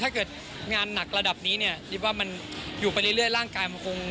ถ้าเกิดงานหนักระดับนี้เนี่ยดิบว่ามันอยู่ไปเรื่อยร่างกายมันคง